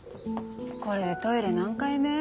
これでトイレ何回目？